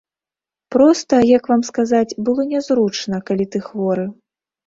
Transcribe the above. Проста, як вам сказаць, было нязручна, калі ты хворы.